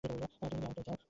তুমি যদি এমনটাই চাও।